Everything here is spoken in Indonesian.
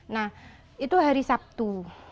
nah itu hari sabtu